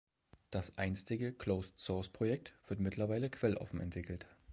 Das einstige Closed-Source-Projekt wird mittlerweile quelloffen entwickelt.